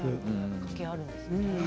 関係あるんですね。